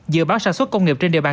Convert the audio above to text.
dự báo sản xuất công nghiệp trên địa bàn